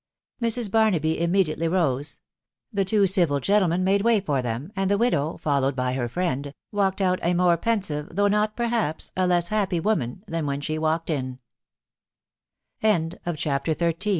Mrs. Barnaby immediately rose; the two civil gentlemen made way for them, and the widow, followed by her friend, walked out a more pensive, though not, perhaps, a less happy woman, than when she W